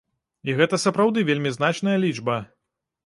І гэта сапраўды вельмі значная лічба.